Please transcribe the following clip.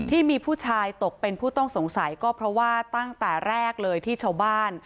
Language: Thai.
ที่มีผู้ชายตกเป็นผู้ต้องสงสัยก็เพราะว่าตั้งแต่แรกเลยที่ชาวบ้าน